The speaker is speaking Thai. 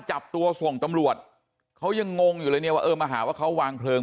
จับตัวส่งตำรวจเขายังงงอยู่เลยเนี่ยว่าเออมาหาว่าเขาวางเพลิง